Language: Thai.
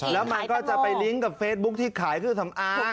แล้วมันก็จะไปลิงก์กับเฟซบุ๊คที่ขายเครื่องสำอาง